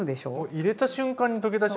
入れた瞬間に溶け出しましたよ。